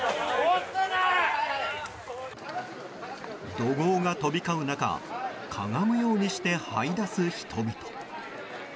怒号が飛び交う中かがむようにしてはい出す人々。